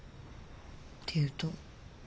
っていうと？